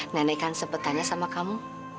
nenek kan sempet tanya sama kamu